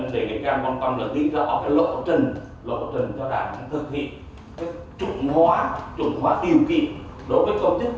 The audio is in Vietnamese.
nên để cái cam quan tâm là đi rõ cái lộ trình lộ trình cho đảng thực hiện cái chuẩn hóa chuẩn hóa điều kiện đối với công chức